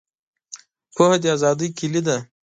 پوهه د آزادۍ کیلي ده.